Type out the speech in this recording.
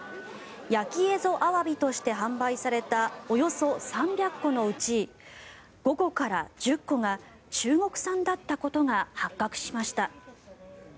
焼き蝦夷あわびとして販売されたおよそ３００個のうち５個から１０個が中国産だったことが発覚しました。